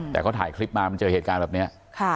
แต่เขาถ่ายคลิปมามันเจอเหตุการณ์แบบนี้